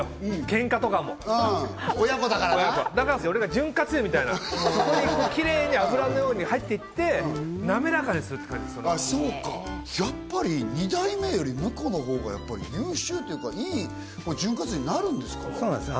けんかとかもうん親子だからなだから俺が潤滑油みたいなそこにきれいに油のように入っていって滑らかにするって感じあっそうかやっぱり２代目よりムコの方が優秀っていうかいい潤滑油になるんですかそうなんです